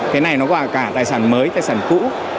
cái này nó vào cả tài sản mới tài sản cũ